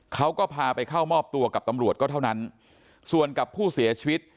เขาก็พาไปเข้ามอบตัวกับตำรวจก็เท่านั้นส่วนกับผู้เสียชีวิต